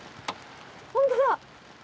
本当だ。